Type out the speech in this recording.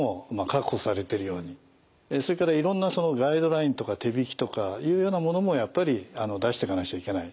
それからいろんなガイドラインとか手引とかいうようなものもやっぱり出していかなくちゃいけない。